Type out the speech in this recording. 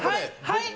はい！